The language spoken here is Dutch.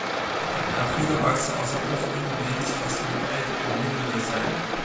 Wat heb je aan goede artsen als er onvoldoende medische faciliteiten en middelen zijn?